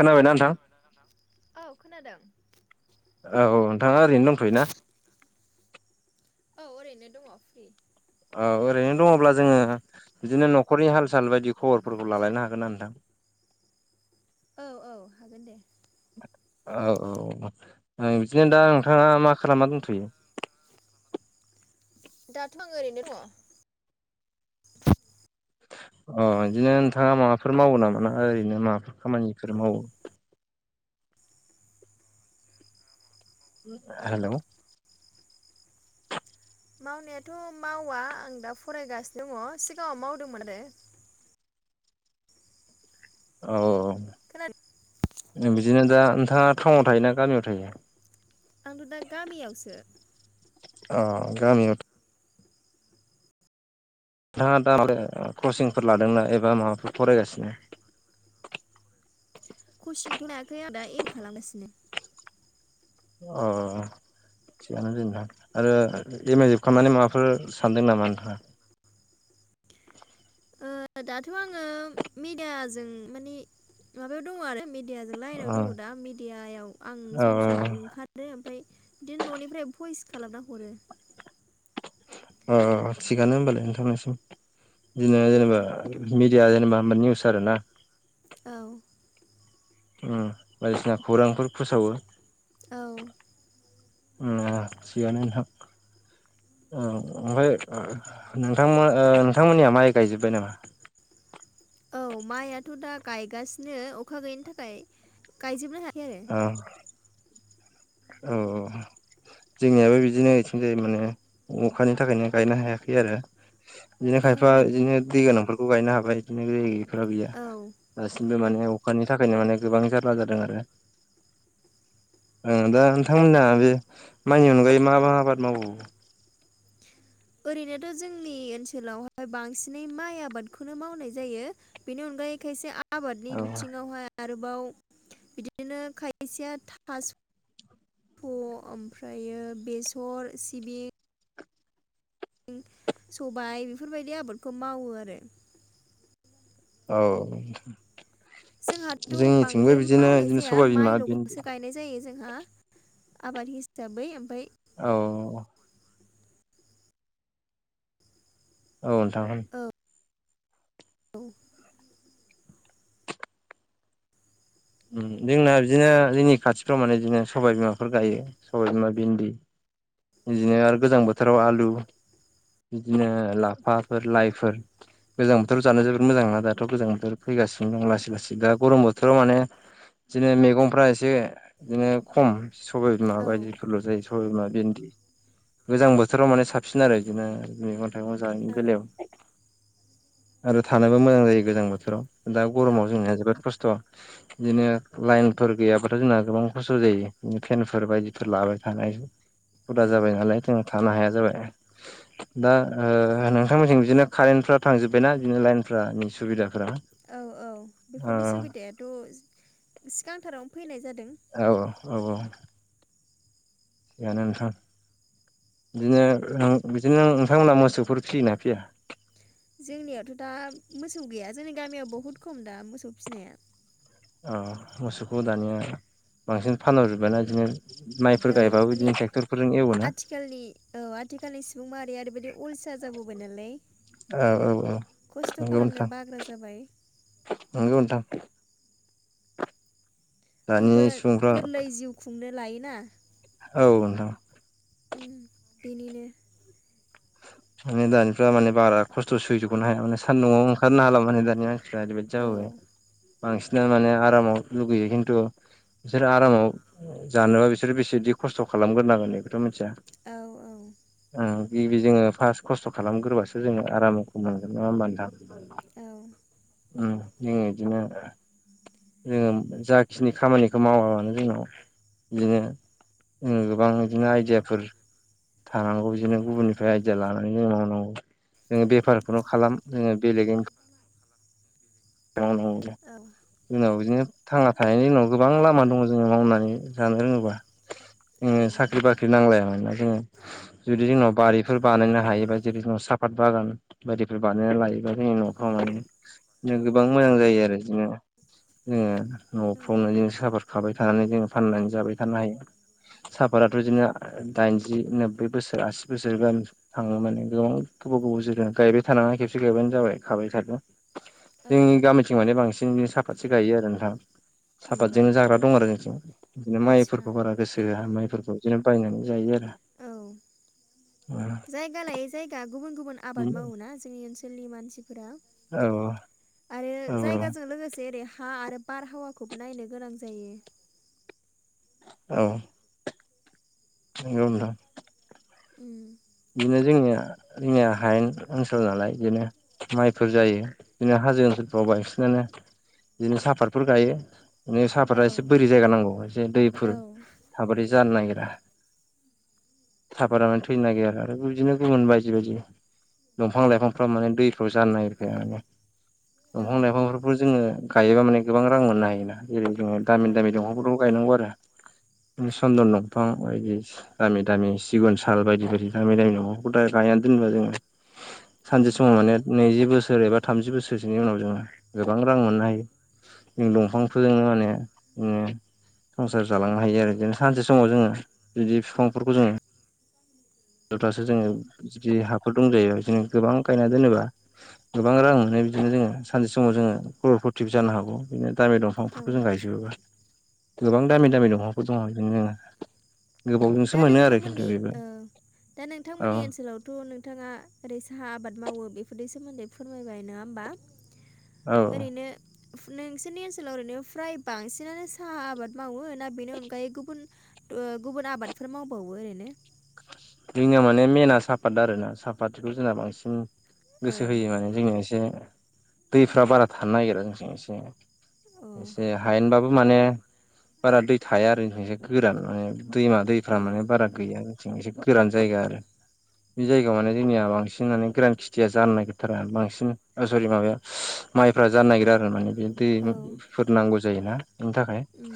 खोनाबाय ना नोंथां? औ खोनादों। औ औ नोंथाङा ओरैनो दंथ'योना? औ ओरैनो दङ फ्रि औ ओरैनो दङब्ला जोङो बिदिनो न'खरनि हाल साल बायदि खबरफोरखौ लालायनो हागोन ना नोंथां? औ - औ हागोन दे। औ- औ बिदिनो दा नोंथांङा मा खालामना दंथ'यो। दाथ' आंङो ओरैनो दंङ। अ' बिदिनो नोंथांङा माबाफोर मावो नामा ना ओरैनो माबाफोर खामानिफोर मावो हेलौ। मावनायाथ' मावा आं दा फरायगासिनो दङ सिगाङाव मावदोंमोन आरो। औ खोनादों औ बिदिनो दा नोंथांङा टाउनाव थायोना गामियाव थायो। आंथ' दा गामियावसो। अ' गामियावनो नोंथाङा दा कचिंफोर लादोंना एबा माबाफोर फरायगासिनो [inaudible] कचिंथ' लायाखै आं दा एम ए खालामगासिनो। अ' थिगानो ज नोंथां आरो एम आइ जोब खालामनानै माबाफोर सानदों नामा नोंथाङा। ओ दाथ' आङो मिडियाजों मानिे माबायाव दंङो आरो। मिडियाजों ला आनाव दंङो दा मिडियायाव आं औ सम सम ओंखार ओमफ्राय बिदिनो न'निफ्राय भइस खालामना हरो। अ थिगानो होमबालाय नोंथांनिसिम बिदिनो औ जेनेबा जेन बा निसार आरोना औ। बायदिसिना खौरांफोर फोसावो। औ उ सियन ह नोंथां [unintelligible] औ ओमफाय ओ नोंथां ओ नोंथांमोननिया माइ गायजोब्बाय नामा औ माइआथ' दा गायगासिनो अखा गैयैनि थाखाय गायजोबनो हायाखै आरो। अ' औ औ जोंनियाबो बिदिनो थिं जाय माने अखानि थाखायनो गायनो हायाखै आरो बिदिनो खायफा औ बिदिनो दै गोनांफोरखौ गायनो हाबाय बिदिनो दै गैयैफ्रा गैया। औ दासिमबो माने अखानि थाखायनो माने गोबां जारला जादों आरो। ओ दा नोंथांमोना बे माइनि अनगायै मा मा आबाद मावबावो ओरैनोथ' जोंनि ओनसोलावहाय बांसिनै माइ आबादखौनो मावनाय जायो। बेनि अनगायै खायसे आबादनि औ बिथिङावहाय आरोबाव बिदिनो खायसेया थास' फ ओमफ्रायो बेसर सिबिं सबाय बेफोरबायदि आबादखौ मावो आरो। औ। जोंहाथ' जोंनिथिंबो बांद्राय बिदिनो मावनाय बिदिनो जाया सबाय बिमा भिन्दि माइल'गसो गायनाय जायो जोंहा। आबाद हिसाबै ओमफाय औ। औ नोंथां औ औ। उम जोंना बिदिनो जोंनि खाथिफ्राव माने बिदिनो सबाय बिमाफोर गायो सबाय बिमा, भिन्दि बिदिनो आरो गोजां बोथोराव आलु बिदिनो लाफाफोर लाइफोर गोजां बोथोराव जानो जोबोद मोजां नङा दाथ' गोजां बोथोर फैगासिनो दं लासै लासै दा गरम बोथोराव माने बिदिनो मेगंफ्रा एसे बिदिनो खम सबाय बिमा औ बायदिफोरल' जायो सबाय बिमा भिन्दि गोजां बोथोराव माने साबसिन आरो बिदिनो मैगं थाइगं जा बेलायाव आरो थानोबो मोजां जायो गोजां बोथोराव दा औ गरमाव जोंनिया जोबोद खस्थ'। बिदिनो लाइनफोर गैयाब्लााथ' जोंना गोबां खस्थ' जायो बिदिनो फेनफोर बायदिफोर लाबाय थानाय हुदा जाबाय नालाय जों थानो हाया जाबाय। दा ओ नोंथांमोनथिं बिदिनो कारेन्टफ्रा थांजोब्बायना बिदिनो लाइनफ्रा ओ सुबिदाफोरा? औ औ ओ बेफोरनि सुबिदायाथ' सिगांथारावनो फैनाय जादों। औ औ औ औ। बेनो नोंथां। बिदिनो बिदिनो नोंथांमोना मोसौफोर फियोना फिया? जोंनियावथ' दा मोसौ गैया जोंनि गामियाव बहुद खम दा मोसौ फिनाया। औ मोसौखौ दानिया बांसिन फानहरजोबबाय ना बिदिनो। माइफोर औ गायबाबो माने बिदिनो ट्रेक्टरफोरजों एवोना। आथिखालनि औ आथिखालनि सुबुं माहारिया ओरैबायदि अलसिया जाबोबाय नालाय। औ औ औ खस्थ' नंगौ खालामनो नोंथां बाग्रा जाबाय। नंगौ नोंथां। बयबो दानि सुबुंफ्रा गोरलै जिउ खुंनो लायोना। औ नोंथां। उम बेनिनो। माने दानिफ्रा माने बारा खस्थ' सैजखौनो हाया माने सान्दुंआवबो ओंखारनो हाला माने दानिया। प्राइभेट औ जाबोबाय बांसिनानो माने आरामाव लुगैयो खिन्थु बिसोरो आरामाव जानोबा बिसोरो बेसेदि खस्थ' खालामग्रोनांगोन बेखौथ' मिथिया। औ औ ओ गिबि जोङो फार्स्ट खस्थ' खालामग्रोबासो जोङो आरामखौ मोनगोन नङा होमबा नोंथां? औ उम जोङो बिदिनो [inaudible] जोङो जाखिनि खामानिखौ मावा मानो जोंनाव बिदिनो जों गोबां बिदिनो आइडियाफोर थानांगौ बिदिनो गुबुननिफ्राय आइडिया लानानै जों मावनांगौ। जोङो बेफारखौनो खालाम जोङो बेलेग इनखाम मावनांगौ। औ जोंनाव बिदिनो थांना थानायनि उनाव गोबां लामा दङ जोङो मावनानै जानो रोङोबा। औ जोंनो साख्रि बाख्रि नांलाया मानो जोंनो। जुदि जोंनाव बारिफोर बानायनो हायोबा जुदि जोंनाव साफात बागान बायदिफोर बानायना लायो। दा जोंनि न'फ्राव बिनो गोबां मोजां जायो आरो बिदिनो जोङो औ न'फ्रावनो जों साफात खाबाय थानानै जोङो फाननानै जाबाय थानो हायो। साफाताथ' बिदिनो दाइनजि नोब्बै बोसोर आसि बोसोर थाङो माने गोबां गोबाव गोबाव जनो गायबाय थानाङा खेबसे गायबानो जाबाय खाबाय थादो। औ जोंनि गामिथिं माने बांसिन बि साफासो गायो आरो नोंथां। नंगौ सापातजोंनो जाग्रा दं आरो जोंथिं। बिदिनो आदसा माइफोरखौ बारा गोसो होआ माइफोरखौ बिदिनो बायनानै जायो आरो। औ। जायगा लायै जायगा गुबुन गुबुन आबाद माव ना जोंनि ओनसोलथिं मानसिफोरा औ आरो औ जायगाजों लोगोसे ओरै हा आरो बारहावाखौबो नायनो गोनां जायो। औ [unintelligible] ओम बिदिनो जोंनिया जोंनिया हायेन ओनसोल नालाय बिदिनो माइफोर जायो। बिदिनो हाजो ओनसोलफ्राव बांसिनानो बिदिनो साफातफोर गायो। बे साहफाता एसे बोरि जायगा नांगौ एसे दैफोर थाबाथाय जानो नागिरा साफादानो थैनो नागिरो। आरो बिदिनो गुबुन बायदि बायदि दंफां लाइफांफ्रा माने दैफ्राव जानो नागिरखाया माने। दंफां लाइफांफोरखौ जोङो गायोबा माने गोबां रां मोननो हायोना जेरै जोङो दामिनि दामि दंफांफोरखौ गायनांगौ आरो सन्दन दंफां बायदि दामि दामि सिगुन साल बायदि बायदि। दामि दामि [inaudible] गायना दोनबा जोङो सानसे समाव माने नैजि बोसोर एबा थामजि बोसोरसोनि उनाव जोङो गोबां रां मोननो हायो जों दंफांफोरजोंनो माने जोङो संसार जालांनो हायो आरो बिदिनो सानसे समाव जोङो बिदि बिफांफोरखौ जोङो दुथासो जोङो जुदि हाफोर दंजायो जोंङो गोबां गायना दोनोब्ला गोबां रां मोनो बिदिनो जोङो सानसे समाव जोङो खरर फथिबो जानो हागौ बिदिनो दामि दंफांफोरखौ जों गायजोबोबो गोबां दामि दामि दंफांफोर दङ बिदिनो दा गोबावजोंसो मोनो आरो नोंथांमोननि खिन्थु बेबो ओ दा औ नोंथांमोननि ओनसोलावथ' नों थाङा ओरै साहा आबाद मावो बेफोरनि सोमोन्दै फोरमायबाय नङा होमबा औ ओरैनो नोंसोरनि ओनसोलाव ओरैनो फ्राय बांसिनानो साहा आबाद मावो दा बेनि अनगायै गुबुन ओ गुबुन आबादफोर मावबावो ओरैनो? जोंनिया माने मेेना सापात आरोना सापातखौ जोंना बांसिन औ गोसो होयो माने जोंने एसे दैफ्रा बारा थानो नागिरा जों एसे अ एसे हायेनबाबो माने बारा दै थाया आरो जोंनिथिं गोरान माने दैमा अ दैफ्रा माने बारा गैया जोंनिथिं एसे गोरान जायगा आरो बे जायगायाव माने जोंनिया बांसिन माने गोरान खेथिया जानो नागिरथारा बांसिन ओ सरि माबाया माइफ्रा जानो नागिरा आरो माने बे औ दैफोर नांगौ जायोना बेनि थाखाय उम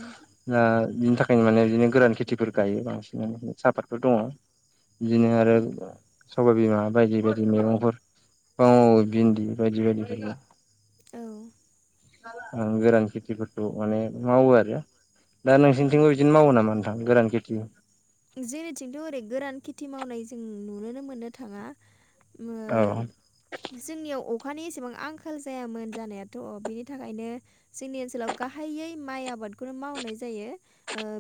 दा बिनि थाखायनो माने बिदिनो गोरान खेथिफोर गायो बांसिन सापातफोर दङ बिदिनो आरो उम सबाइ बिमा बायदि बायदि मैगंफोर फां मावो भिन्दि बायदि बायदिफोर औ गोरान खेथिफोरखौ माने मावो आरो दा औ नोंसिनिथिंबो बिदिनो मावो नामा नोंथां गोरान खेथि? जेरैथिंथ' ओरै गोरान खेथि मावनाय जों नुुनोनो मोननो थाङा उम औ ओ जोंनियाव अखानि एसेबां आंखाल जायामोन जानायाथ' बिनि थाखायनो जोंनि ओनसोलाव गाहायै माइ आबादखौनो मावनाय जायो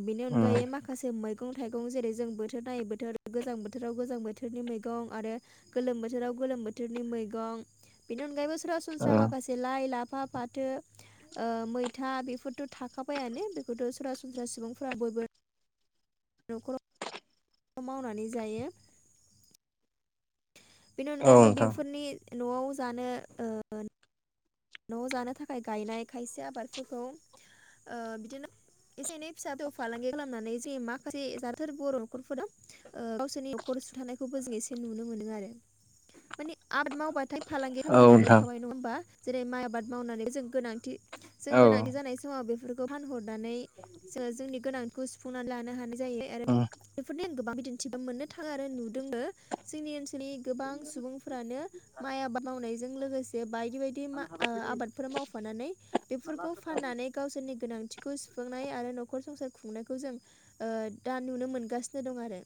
बेनि उम औ अनगायै माखासे मैगं थाइगं जेरै जों बोथोर नायै बोथोर गोजां बोथोराव गोजां बोथोरनि मैगं आरो गोलोम बोथोराव गोलोम बोथोरनि मैगं बेनि अनगायैबो सरासनस्रा औ माखासे लाइ लाफा फाथो मैथा बेफोरथ' थाखाबायानो बेखौथ' सरासनस्रा सुबुंफोरा बयबो न'खराव मावनानै जायो बेनि अनगायैबो नोंथां बेफोरनि न'आव जानो ओ न' जानो थाखाय गायनाय खायसे आबादफोरखौ ओ बिदिनो एसे एनै फिसा दौ फालांगि खालामनानै जों माखासे जाथोर बर' न'खरफोरा ओ गावसोरनि न'खर सुंथानायखौबो जों एसे नुनो मोनो आरो माने आट मावबा थाय फालांगि औ खालामनायानो नोंथां जाखाबाय नङा होनबा जेरै माइ आबाद मावनानै जों गोनांथि जों औ गोनांथि जानाय समाव बेफोरखौ फानहरनानै जोंनि गोनांथिखौ सु फुंनानै लानो हानाय जायो आरो उम बेफोरनि आं गोबां बिदिन्थिबो मोननो थाङो आरो नुदोंबो जोंनि ओनसोलनि गोबां सुबुंफ्रानो माइ आबाद मावनायजों लोगोसे बायदि बाय बे मा आबादफोरा मावफानानै बेफोरखौ फाननानै गावसोरनि गोनांथिखौ सुफुंनाय आरो न'खर संसार खुंनायखौ जों ओ दा नुनो मोनगासिनो दं आरो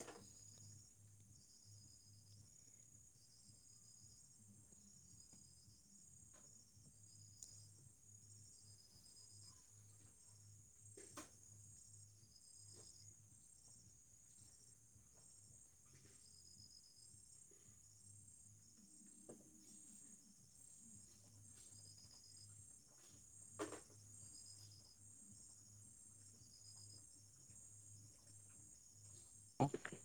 औ